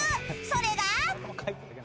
それが。